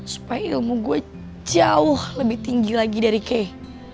supaya ilmu gue jauh lebih tinggi lagi dari kay